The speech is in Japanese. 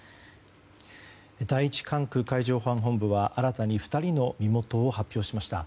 第１管区海上保安本部は新たに２人の身元を発表しました。